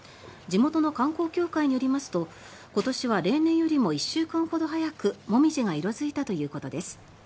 地元の観光協会によりますと今年は例年より１週間ほど早くモミジが色付いたということです。